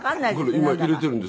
今入れているんです。